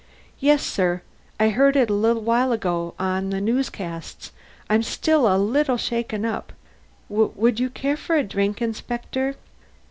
"Y yes, sir. I heard it a little while ago, on the newscasts. I'm still a little shaken up. W would you care for a drink, Inspector?"